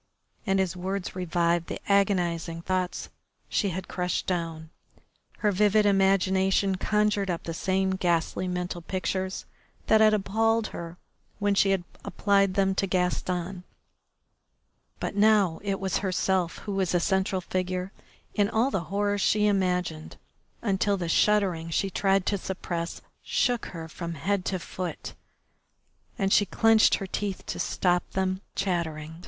And his words revived the agonising thoughts she had crushed down. Her vivid imagination conjured up the same ghastly mental pictures that had appalled her when she had applied them to Gaston, but now it was herself who was the central figure in all the horrors she imagined, until the shuddering she tried to suppress shook her from head to foot, and she clenched her teeth to stop them chattering.